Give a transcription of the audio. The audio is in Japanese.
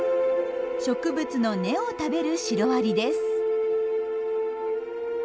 植物の根を食べるシロアリです。